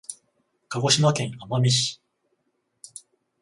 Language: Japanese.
鹿児島県奄美市